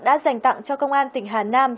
đã dành tặng cho công an tỉnh hà nam